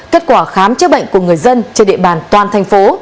kết quả khám chữa bệnh của người dân trên địa bàn toàn thành phố